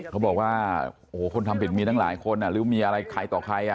เขาบอกว่าโอ้โหคนทำผิดมีตั้งหลายคนหรือมีอะไรใครต่อใคร